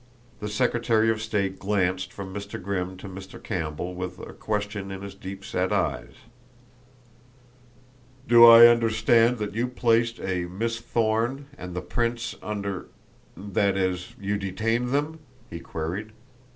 The secretary of state glanced from Mr. Grimm to Mr. Campbell with a question in his deep set eyes. "Do I understand that you placed a Miss Thorne and the prince under that is, you detained them?" he queried.